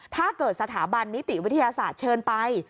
ถ้าเกิดสถาบันนิติวิทยาศาสตร์เชิญไป